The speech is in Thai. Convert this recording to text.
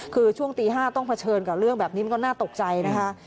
คือช่วงตี๕ต้องเผชิญกับเรื่องแบบนี้มันก็น่าตกใจนะคะ